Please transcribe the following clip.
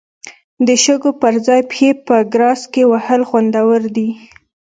د شګو پر ځای پښې په ګراس کې وهل خوندور دي.